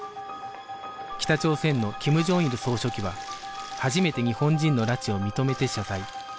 北朝鮮の金正日総書記は初めて日本人の拉致を認めて謝罪